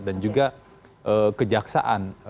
dan juga kejaksaan